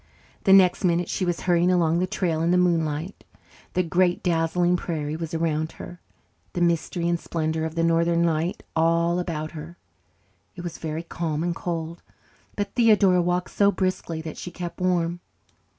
The next minute she was hurrying along the trail in the moonlight. The great dazzling prairie was around her, the mystery and splendour of the northern night all about her. It was very calm and cold, but Theodora walked so briskly that she kept warm.